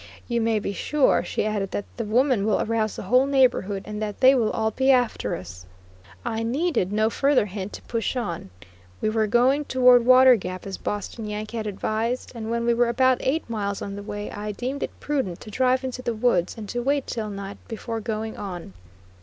"You, may be sure," she, added, "that the woman will arouse the whole neighborhood, and that they will all be after us." I needed no further hint to push on. We were going toward Water Gap, as Boston Yankee had advised, and when we were about eight miles on the way, I deemed it prudent to drive into the woods and to wait till night before going on.